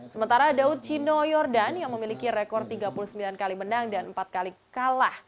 sementara daud chino yordan yang memiliki rekor tiga puluh sembilan kali menang dan empat kali kalah